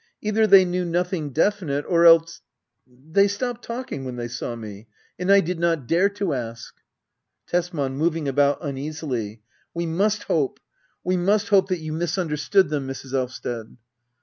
Either they knew nothing definite, or else . They stopped talking when they saw me ; and I did not dare to ask. Tesman. [Moving about uneasily.'] We must hope — we must hope that you misunderstood them, Mrs. Elvsted. Mrs.